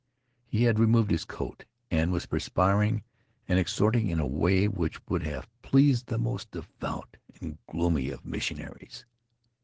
He had removed his coat and was perspiring and exhorting in a way which would have pleased the most devout and gloomy of missionaries.